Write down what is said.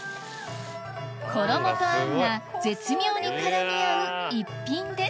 衣とあんが絶妙に絡み合う逸品です